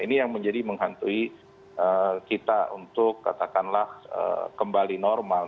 ini yang menjadi menghantui kita untuk katakanlah kembali normal